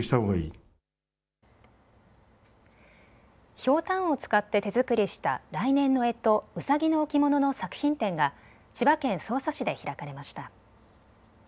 ひょうたんを使って手作りした来年のえと、うさぎの置物の作品展が千葉県匝瑳市で開かれました。